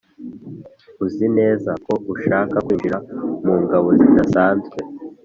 uzi neza ko ushaka kwinjira mu ngabo zidasanzwe